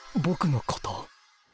僕のこと。